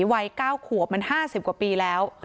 วัย๙ขวบมัน๕๐กว่าปีแล้ว